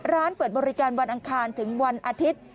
ร้านเปิดบริการวันอังคารถึงวันอาทิตย์